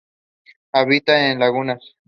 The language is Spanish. Habita en lagunas.